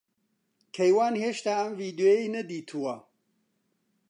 کەیوان ھێشتا ئەم ڤیدیۆیەی نەدیتووە.